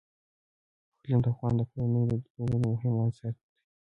اقلیم د افغان کورنیو د دودونو مهم عنصر دی.